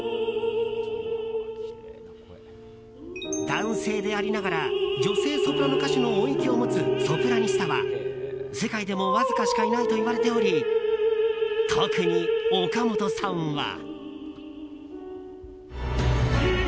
男性でありながら女性ソプラノ歌手の音域を持つソプラニスタは、世界でもわずかしかいないといわれており特に岡本さんは。